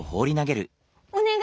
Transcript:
おねがい！